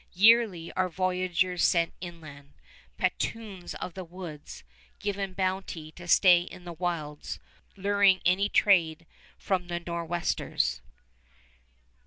Yearly are voyageurs sent inland, "patroons of the woods," given bounty to stay in the wilds, luring any trade from the Nor'westers.